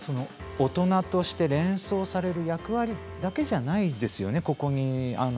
大人として連想される役割だけじゃないですよね。